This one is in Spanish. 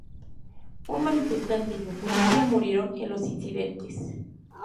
Un manifestante y un policía murieron en los incidentes.